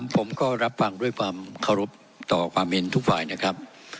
ผมก็รับฟังด้วยความเคารพต่อความเห็นทุกฝ่ายนะครับ